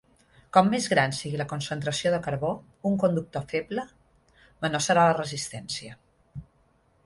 Com més gran sigui la concentració de carbó, un conductor feble, menor serà la resistència.